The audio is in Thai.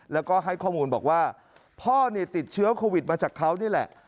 แล้วก็ให้ข้อมูลบอกว่าพ่อเนี่ยติดเชื้อโควิดมาจากเขานี่แหละ